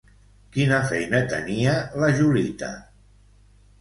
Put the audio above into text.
Quina feina tenia la Julita?